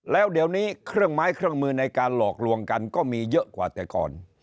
แล้วเดี๋ยวนี้เครื่องไม้เครื่องมือในการหลอกลวงกันก็มีเยอะกว่าแต่ก่อน